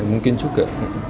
ya mungkin juga